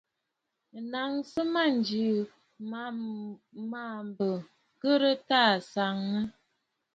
Nɨ̀ naŋsə mânjì M̀màꞌàmb ŋ̀ghɨrə t à tsinə!.